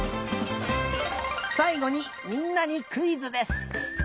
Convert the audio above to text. さいごにみんなにクイズです。